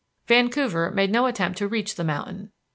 Vancouver made no attempt to reach the mountain.